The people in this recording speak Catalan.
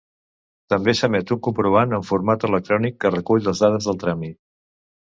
També s'emet un comprovant en format electrònic que recull les dades del tràmit.